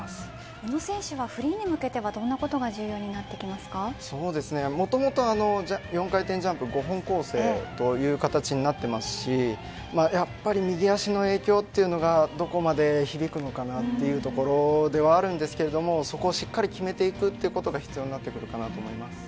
宇野選手はフリーに向けてはどんなことがもともと４回転ジャンプ５本構成という形になっていますしやっぱり右足の影響がどこまで響くのかなというところではありますがそこをしっかり決めていくことが必要になると思います。